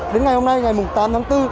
đến ngày hôm nay ngày tám tháng bốn